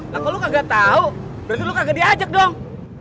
kok lo kagak tau berarti lo kagak diajak dong